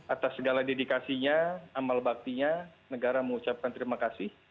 atas segala dedikasinya amal baktinya negara mengucapkan terima kasih